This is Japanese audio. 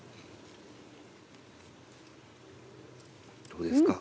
どうですか？